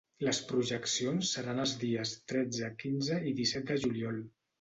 Les projeccions seran els dies tretze, quinze i disset de juliol.